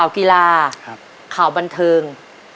ข่าวบันเทิง